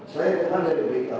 saya bukan dari bk